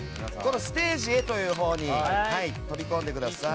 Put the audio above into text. ステージへというほうに飛び込んでください。